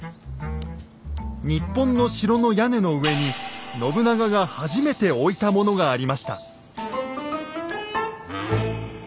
日本の城の屋根の上に信長が初めて置いたものがありました。